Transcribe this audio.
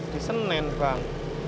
di senin bang